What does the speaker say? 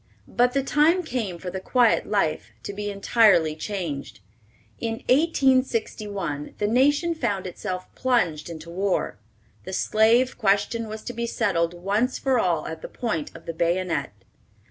But the time came for the quiet life to be entirely changed. In 1861 the nation found itself plunged into war. The slave question was to be settled once for all at the point of the bayonet.